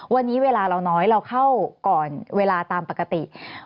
วันนี้เวลาเราน้อยเราเข้าก่อนเวลาตามปกติ